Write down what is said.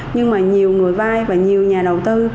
nhưng mà nhiều người vai và nhiều nhà đầu tư